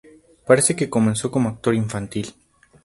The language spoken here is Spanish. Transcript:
Parece que comenzó como actor infantil.